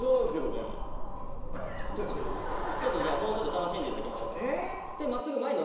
じゃあもうちょっと楽しんでいただきましょうか。